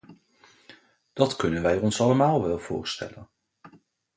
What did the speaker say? Dat kunnen wij ons allemaal wel voorstellen.